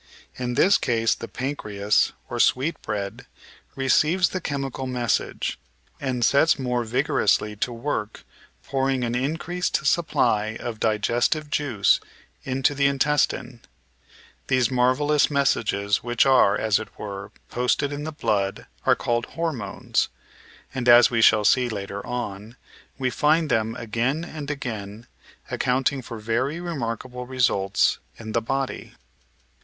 In this case the pancreas (or sweetbread) receives d28 The Outline of Science the chemical message, and sets more vigorously to work pour ing an increased supply of digestive juice into the intestine. These marvellous messages which are, as it were, posted in the blood are called "hormones," and, as we shall see later on, we find them again and again accounting for very remarkable results in the body.